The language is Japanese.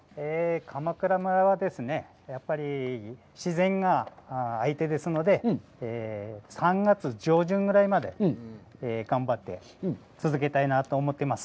かまくら村はやっぱり自然が相手ですので、３月上旬ぐらいまで頑張って続けたいなと思っています。